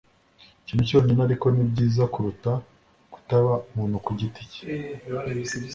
ikintu cyonyine ariko ni byiza kuruta kutaba umuntu ku giti cye